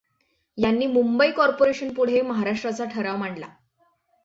यांनी मुंबई कॉपोर्रेशनपुढे महाराष्ट्राचा ठराव मांडला.